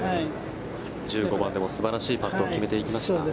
１５番でも素晴らしいパットを決めていきました。